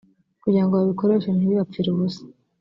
kugira ngo babikoreshe ntibibapfire ubusa